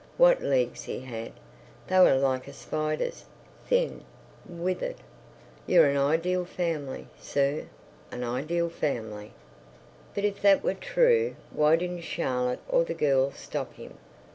What legs he had! They were like a spider's—thin, withered. "You're an ideal family, sir, an ideal family." But if that were true, why didn't Charlotte or the girls stop him?